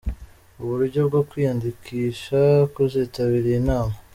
Uburyo bwo kwiyandikisha kuzitabira iyi nama.